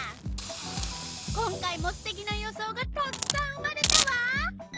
今回もすてきな予想がたくさん生まれたわ！